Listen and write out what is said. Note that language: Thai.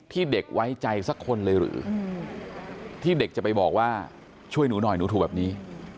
เด็กไว้ใจสักคนเลยหรือที่เด็กจะไปบอกว่าช่วยหนูหน่อยหนูถูกแบบนี้